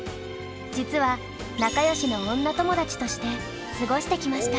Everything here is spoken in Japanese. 実は仲良しの女友達として過ごしてきました。